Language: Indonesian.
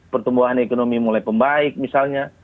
pertumbuhan ekonomi mulai pembaik misalnya